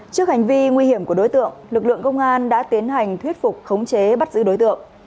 trước hành vi nguy hiểm của đối tượng lực lượng công an đã tiến hành thuyết phục khống chế bắt giữ đối tượng